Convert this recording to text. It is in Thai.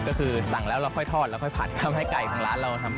ก็คือสั่งแล้วเราค่อยทอดแล้วค่อยผัดทำให้ไก่ของร้านเราทำ